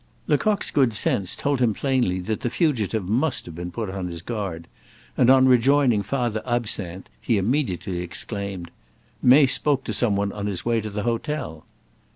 Lecoq's good sense told him plainly that the fugitive must have been put on his guard, and on rejoining Father Absinthe, he immediately exclaimed: "May spoke to some one on his way to the hotel."